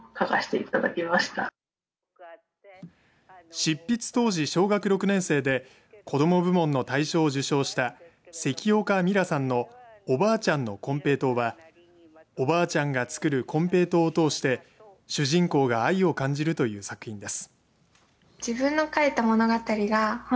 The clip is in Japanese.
執筆当時小学６年生で子ども部門の大賞を受賞した関岡ミラさんのおばあちゃんの金平糖はおばあちゃんが作る金平糖を通して主人公が愛を感じるという作品です。